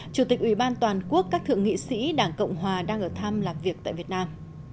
chủ tịch ủy ban toàn quốc các thượng nghị sĩ đảng cộng hòa đang ở thăm làm việc tại việt nam